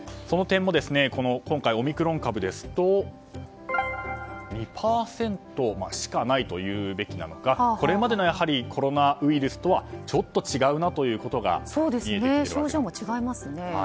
その点も今回、オミクロン株ですと２％しかないというべきなのかこれまでのコロナウイルスとはちょっと違うなということが見えてきているわけですね。